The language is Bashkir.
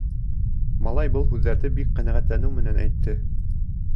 Малай был һүҙҙәрҙе бик ҡәнәғәтләнеү менән әйтте.